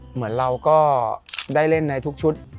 เหมือนเราก็ได้เล่นในทุกชุด